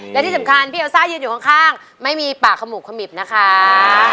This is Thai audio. และที่สำคัญพี่เอลซ่ายืนอยู่ข้างไม่มีปากขมุกขมิบนะคะ